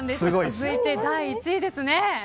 続いて第１位ですね。